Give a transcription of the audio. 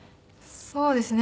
そうですね。